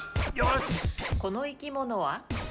この生き物は？